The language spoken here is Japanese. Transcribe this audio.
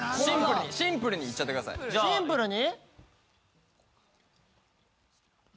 シンプルにいっちゃってくださいシンプルに？